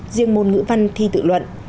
riêng môn ngữ văn thi tự luận